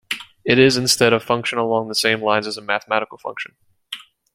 It is, instead, a function along the same lines as a mathematical function.